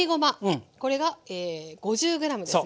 これが５０ｇですね。